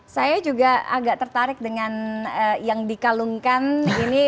saya juga agak tertarik dengan yang dikalungkan ini